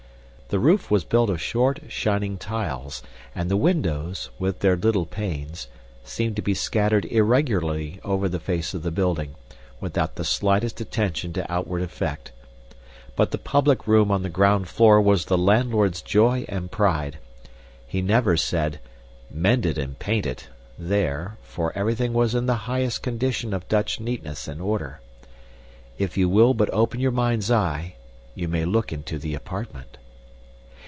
The roof was built of short, shining tiles, and the windows, with their little panes, seemed to be scattered irregularly over the face of the building, without the slightest attention to outward effect. But the public room on the ground floor was the landlord's joy and pride. He never said, "Mend it and paint it," there, for everything was in the highest condition of Dutch neatness and order. If you will but open your mind's eye, you may look into the apartment.